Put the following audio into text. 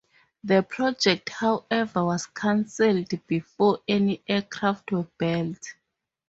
The project, however, was canceled before any aircraft were built.